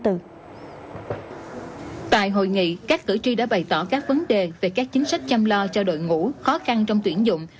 tại hội nghị các cử tri đã bày tỏ các vấn đề về các chính sách chăm lo cho đội ngũ khó khăn trong tuyển dụng